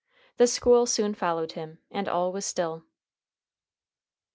The school soon followed him, and all was still.